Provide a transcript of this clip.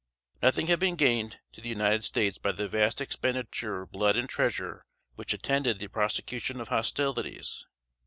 Nothing had been gained to the United States by the vast expenditure of blood and treasure which attended the prosecution of hostilities.